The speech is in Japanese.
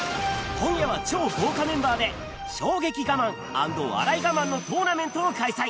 今夜は超豪華メンバーで「衝撃ガマン」＆「笑いガマン」のトーナメントを開催